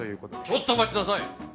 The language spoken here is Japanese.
ちょっと待ちなさい。